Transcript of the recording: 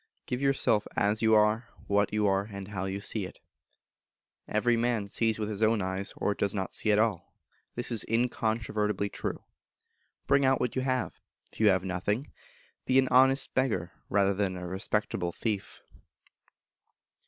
Give yourself as you are, what you are, and how you see it. Everyman sees with his own eyes, or does not see at all. This is incontrovertibly true. Bring out what you have. If you have nothing, be an honest beggar rather than a respectable thief.